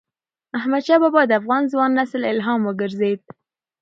احمدشاه بابا د افغان ځوان نسل الهام وګرځيد.